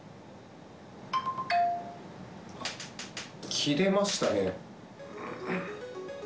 あっ、切れましたね。